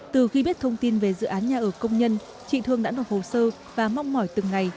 từ khi biết thông tin về dự án nhà ở công nhân chị thương đã nộp hồ sơ và mong mỏi từng ngày